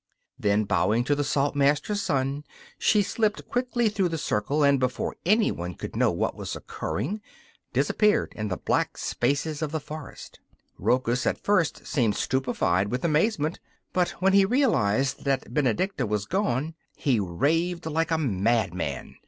Then, bowing to the Saltmaster's son, she slipped quickly through the circle, and, before anyone could know what was occurring, disappeared in the black spaces of the forest. Rochus at first seemed stupefied with amazement, but when he realized that Benedicta was gone he raved like a madman.